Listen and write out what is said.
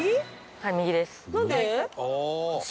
はい右です。